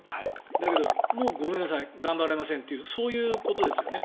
だけど、もうごめんなさい頑張れませんというそういうことですよね